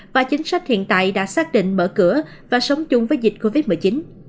và chính sách hiện tại đã xác định mở cửa và sống chung với dịch covid một mươi chín